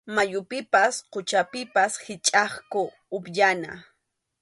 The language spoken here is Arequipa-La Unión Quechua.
Mayupipas quchapipas hichʼakuq upyana.